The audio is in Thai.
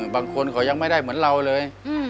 บางคนเขายังไม่ได้เหมือนเราเลย